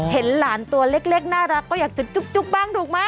เห็นหลานตัวเล็กน่ารักก็อยากจะจุ๊บบ้างถูกไหม